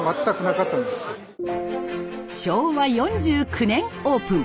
昭和４９年オープン。